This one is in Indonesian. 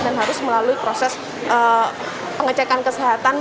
dan harus melalui proses pengecekan kesehatan